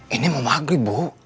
ini mau maghrib bu